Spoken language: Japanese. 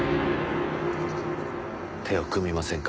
手を組みませんか？